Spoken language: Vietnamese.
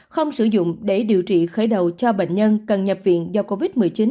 không sử dụng để điều trị khởi đầu cho bệnh nhân cần nhập viện do covid một mươi chín